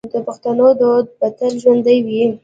د پښتنو دودونه به تل ژوندي وي.